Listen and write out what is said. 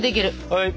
はい！